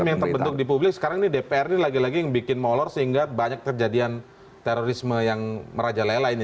karena prime yang terbentuk di publik sekarang ini dpr ini lagi lagi yang bikin mau olor sehingga banyak terjadian terorisme yang merajalela ini